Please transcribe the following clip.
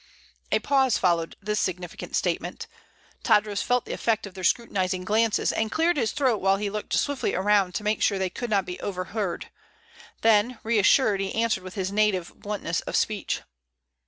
A pause followed this significant statement. Tadros felt the effect of their scrutinizing glances, and cleared his throat while he looked swiftly around to make sure they could not be overheard. Then, reassured, he answered with his native bluntness of speech.